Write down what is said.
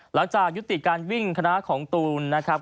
หลังจากยุติการวิ่งคณะของตูนนะครับ